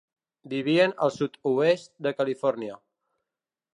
Vivien al sud-oest de Califòrnia.